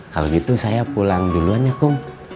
kalau gitu saya pulang duluan ya kang